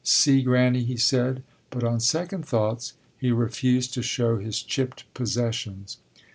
See, Granny, he said, but on second thoughts he refused to show his chipped possessions.